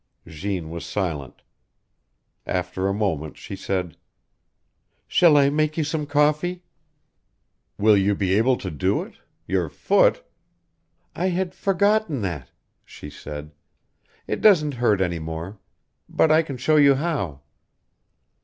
Jeanne was silent. After a moment she said: "Shall I make you some coffee?" "Will you be able to do it? Your foot " "I had forgotten that," she said. "It doesn't hurt any more. But I can show you how."